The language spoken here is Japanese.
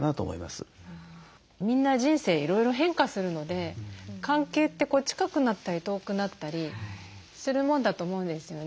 みんな人生いろいろ変化するので関係って近くなったり遠くなったりするもんだと思うんですよね。